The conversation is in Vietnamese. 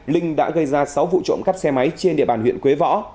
linh đã gây ra sáu vụ trộm cắp xe máy trên địa bàn huyện quế võ